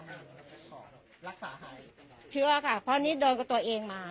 รักษาทัยเชื่อค่ะเพราะงี้โดนตัวเองมา